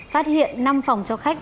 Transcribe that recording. phát hiện năm phòng cho khách